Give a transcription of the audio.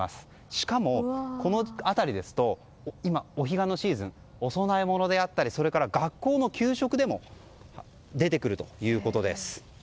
しかも、この辺りですとお彼岸のシーズンお供え物であったりそれから学校の給食でも出てくるということです。